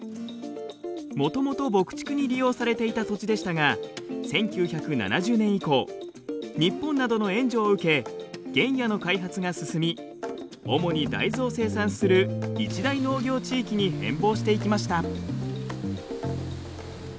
もともと牧畜に利用されていた土地でしたが１９７０年以降日本などの援助を受け原野の開発が進み主に大豆を生産する一大農業地域に変貌していきました。